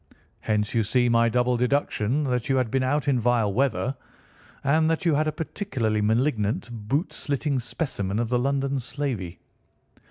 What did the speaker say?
Hence, you see, my double deduction that you had been out in vile weather, and that you had a particularly malignant boot slitting specimen of the London slavey.